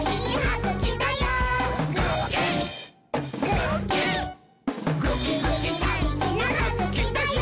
ぐきぐきだいじなはぐきだよ！」